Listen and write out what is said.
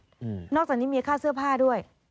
นอกจากนี้มีค่าเสื้อผ้าด้วย